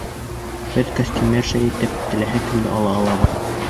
Беҙ костюмерша итеп теләһә кемде ала алабыҙ!